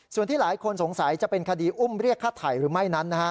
ส่วนที่หลายคนสงสัยจะเป็นคดีอุ้มเรียกฆ่าไถ่หรือไม่นั้น